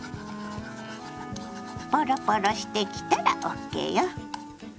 ポロポロしてきたらＯＫよ。